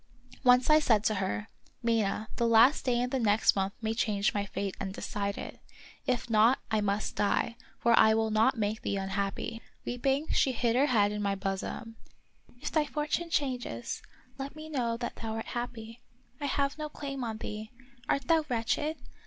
of Peter Schlemihl. 47 Once I said to her: " Mina, the last day in the next month may change my fate and decide it; if not, I must die, for I will not make thee un happy." Weeping, she hid her head in my bosom. " If thy fortune changes, let me know that thou art happy. I have no claim on thee. Art thou wretched.